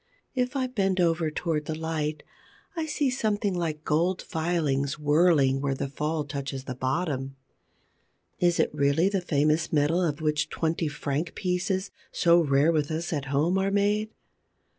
If I bend over towards the light, I see something like gold filings whirling where the fall touches the bottom. Is it really the famous metal of which twenty franc pieces, so rare with us at home, are made?